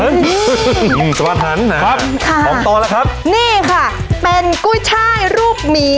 ของตอนแหละครับนี่ค่ะเป็นกุ้ยช่ายรูปหมี